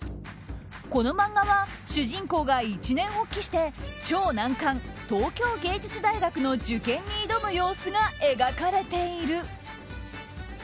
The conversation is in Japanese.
この漫画は主人公が一念発起して超難関、東京藝術大学の受験に挑む様子が描かれている。